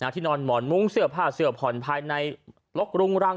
ที่นอนหมอนมุ้งเสื้อผ้าเสื้อผ่อนภายในลกรุงรัง